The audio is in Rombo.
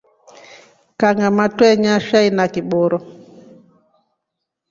Kangama twenywa shai na kiboro.